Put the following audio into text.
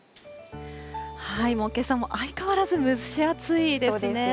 もうけさも相変わらず蒸し暑いですね。